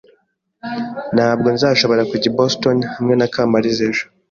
Ntabwo nzashobora kujya i Boston hamwe na Kamaliza ejo.